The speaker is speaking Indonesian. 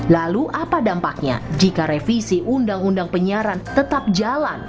lalu apa dampaknya jika revisi undang undang penyiaran tetap jalan